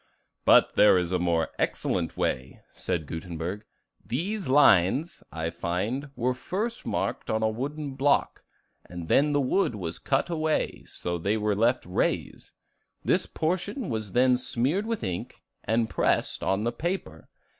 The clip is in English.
"But there is a more excellent way," said Gutenberg. "These lines, I find, were first marked on a wooden block, and then the wood was cut away, so that they were left raised; this portion was then smeared with ink and pressed on the paper.